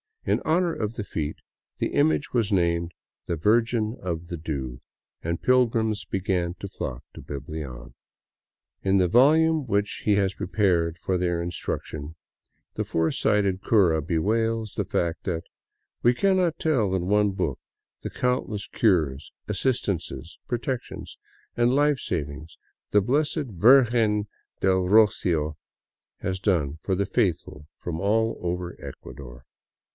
In honor of the feat the image was named the " Virgin of the Dew," and pilgrims began to flock to Biblian. In the volume which he has prepared for their instruction the foresighted cura bewails the fact that " We cannot tell in one book the countless cures, assistances, protections and life savings the Blessed Virgen del Rocio has done for the faithful from all over Ecuador."